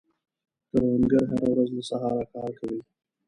کروندګر هره ورځ له سهاره کار کوي